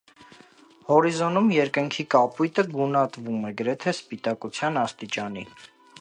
Հորիզոնում երկնքի կապույտը գունատվում է գրեթե սպիտակության աստիճանի։